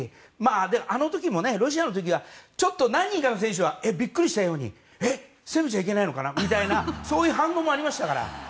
あの時も、ロシアの時はちょっと何人かの選手はびっくりしたように攻めちゃいけないのかなみたいなそういう反応もありましたから。